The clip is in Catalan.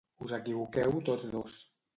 Us equivoqueu tots dos.